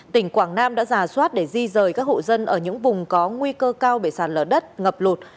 tỉnh quảng nam đã giả soát để di rời các hộ dân ở những vùng có nguy cơ cao bị sạt lở đất ngập lụt